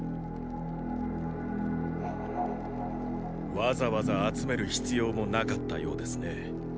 ⁉わざわざ集める必要もなかったようですね。